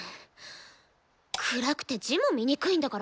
暗くて字も見にくいんだから。